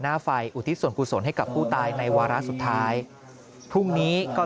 หน้าไฟอุทิศส่วนกุศลให้กับผู้ตายในวาระสุดท้ายพรุ่งนี้ก็